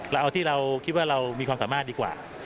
เราเอาที่เราคิดว่าเรามีความสามารถดีกว่า